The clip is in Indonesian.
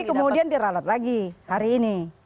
tapi kemudian diralat lagi hari ini